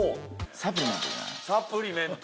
サプリメント。